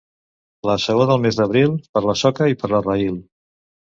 La saó del mes d'abril, per la soca i per la raïl.